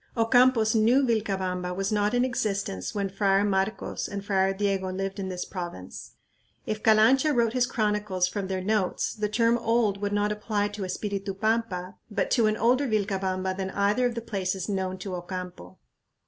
Ocampo's new "Vilcabamba" was not in existence when Friar Marcos and Friar Diego lived in this province. If Calancha wrote his chronicles from their notes, the term "old" would not apply to Espiritu Pampa, but to an older Vilcabamba than either of the places known to Ocampo.